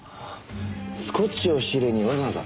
スコッチを仕入れにわざわざ？